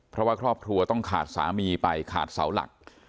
เพราะว่าครอบครัวต้องขาดสามีไปขาดเสาหลัก